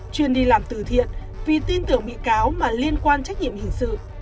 chuyên đi làm từ thiện vì tin tưởng bị cáo mà liên quan trách nhiệm hình sự